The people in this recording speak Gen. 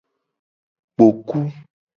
Kpoku.